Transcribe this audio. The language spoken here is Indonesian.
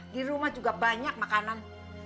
di rumah juga banyak makanan